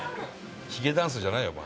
ひげダンスじゃねえよ、お前。